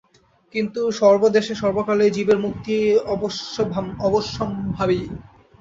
কিন্তু সর্বদেশে সর্বকালেই জীবের মুক্তি অবশ্যম্ভাবী।